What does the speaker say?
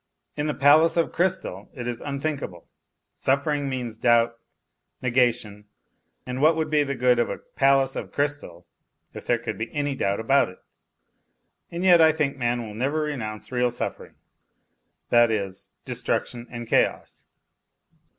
In the "Palace of Crystal " it is un thinkable; suffering means doubt, negation, and what would be the good of a " palace of crystal " if there could be any doubt about it ? And yet I think man will never renounce real suffer ing, that is, destruction and chaos.